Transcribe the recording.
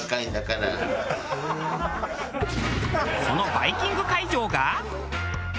そのバイキング会場が。